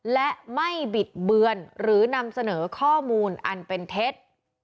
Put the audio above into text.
และไม่บิดเบือนหรือนำเสนอข้อมูลอันเป็นเท็จ